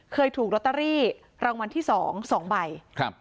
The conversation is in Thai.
เคยถูกลอตเตอรี่รางวัลที่สองสองใบครับ